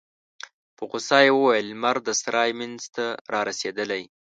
په غوسه يې وویل: لمر د سرای مينځ ته رارسيدلی.